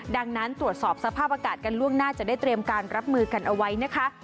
ดังนั้นตรวจสอบสภาพอากาศกันล่วงหน้าจะได้เตรียมการรับมือกันเอาไว้นะคะ